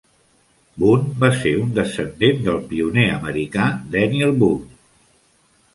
Boone va ser un descendent del pioner americà Daniel Boone.